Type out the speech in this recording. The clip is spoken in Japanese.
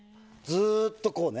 ずっと、こうね。